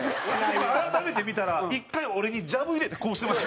今改めて見たら１回俺にジャブ入れてこうしてました。